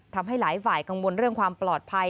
ทำให้หลายฝ่ายกังวลเรื่องความปลอดภัย